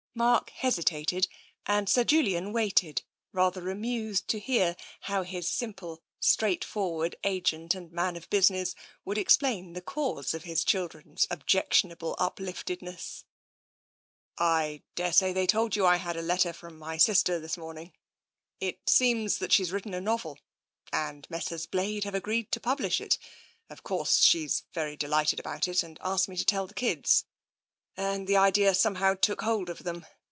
Mark hesitated and Sir Julian waited, rather amused to hear how his simple, straightforward agent and man of business would explain the cause of his chil dren's objectionable upliftedness. " I daresay they told you I had a letter from my sister this morning. It seems that she's written a novel, and Messrs. Blade have agreed to publish it. Of course, she's very delighted about it, and asked me to tell the kids, and the idea somehow took hold of them.